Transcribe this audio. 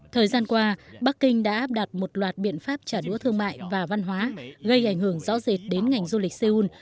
thời gian qua bắc kinh đã áp đặt một loạt biện pháp trả đũa thương mại và văn hóa gây ảnh hưởng rõ rệt đến ngành du lịch seoul